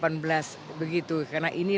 karena inilah usia yang ibaratnya usianya itu